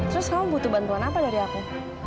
terus kamu butuh bantuan apa dari aku